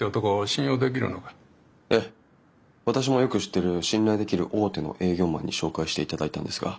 私もよく知ってる信頼できる大手の営業マンに紹介していただいたんですが。